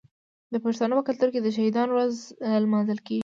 د پښتنو په کلتور کې د شهیدانو ورځ لمانځل کیږي.